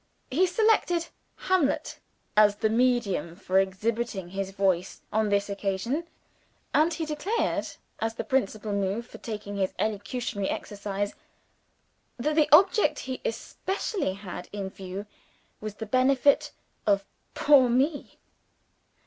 He selected Hamlet as the medium for exhibiting his voice, on this occasion; and he declared, as the principal motive for taking his elocutionary exercise, that the object he especially had in view was the benefit of poor Me!